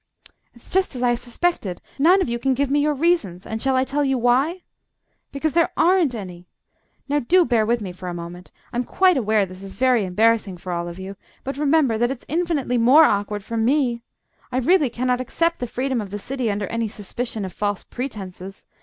it's just as I suspected: none of you can give me your reasons, and shall I tell you why? Because there aren't any.... Now, do bear with me for a moment. I'm quite aware this is very embarrassing for all of you but remember that it's infinitely more awkward for me! I really cannot accept the freedom of the City under any suspicion of false pretences.